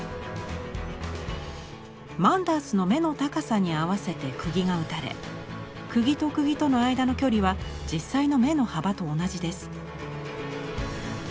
マンダースの目の高さに合わせて釘が打たれ釘と釘との間の距離は実際の目の幅と同じです。